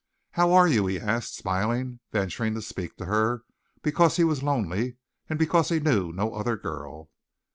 "How are you?" he asked, smiling, venturing to speak to her because he was lonely and because he knew no other girl.